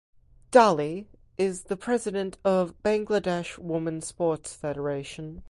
Dolly is the President of Bangladesh Women Sports Federation.